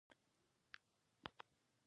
له یو کس چا پوښتنه وکړه: پوزه دې چیتې ده؟